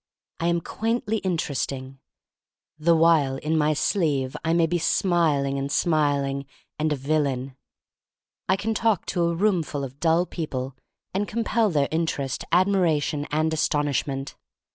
I am quaintly interesting — the while in my sleeve I may be smiling and smiling — and a vil lain. I can talk to a roomful of dull people and compel their interest, ad miration, and astonishment.